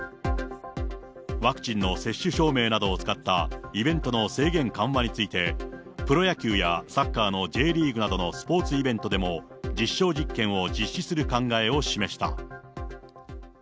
ワクチンの接種証明などを使ったイベントの制限緩和について、プロ野球やサッカーのＪリーグなどのスポーツイベントでも、実証実験を実施する考えを示した。